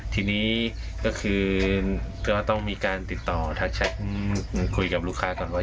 ทีนี้ก็คือก็ต้องมีการติดต่อทักแชทคุยกับลูกค้าก่อนว่า